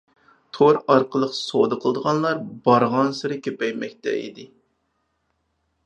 تور ئارقىلىق سودا قىلىدىغانلار بارغانسېرى كۆپەيمەكتە ئىدى.